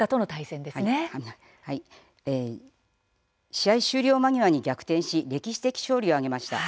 試合終了間際に逆転し歴史的勝利を挙げました。